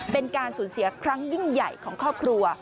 เป็นการสูญเสียครั้งยิ่งใหญ่ของครอบครัว